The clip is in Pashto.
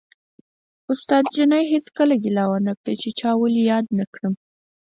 استاد جنید هېڅکله ګیله ونه کړه چې چا ولې یاد نه کړم